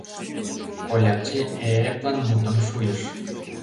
Кольапчи э-эплын мутым шуйыш: